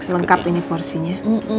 lengkap ini porsinya